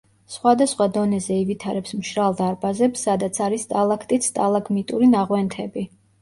სხვადასხვა დონეზე ივითარებს მშრალ დარბაზებს, სადაც არის სტალაქტიტ–სტალაგმიტური ნაღვენთები.